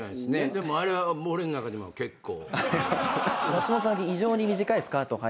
でもあれは俺の中でも結構。